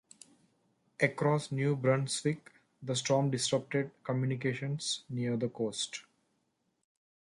Across New Brunswick, the storm disrupted communications near the coast.